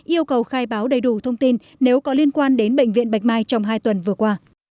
yêu cầu khai báo đầy đủ thông tin nếu có liên quan đến bệnh viện bạch mai trong hai tuần vừa qua